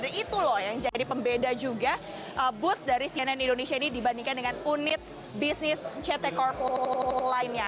dan itu loh yang jadi pembeda juga booth dari cnn indonesia ini dibandingkan dengan unit bisnis ct corp lainnya